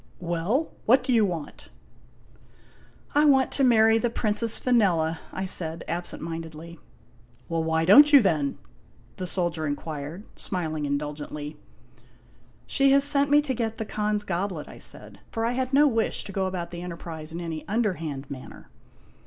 "Well, what do you want?" he asked. THE WINNING OF VANELLA 119 " I want to marry the Princess Vanella," I said, absent mindedly. l< Why don't you, then ?" the soldier inquired, smiling indulgently. " She has sent me to get the Khan's goblet," I said, for I had no wish to go about the enterprise in any underhand manner.